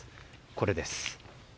これです。